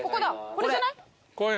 これじゃない？